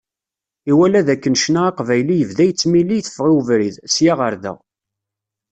Iwala d akken ccna aqbayli yebda yettmili iteffeɣ i ubrid, sya ɣer da.